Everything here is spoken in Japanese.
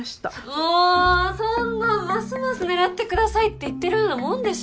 もそんなんますます狙ってくださいって言ってるようなもんでしょ。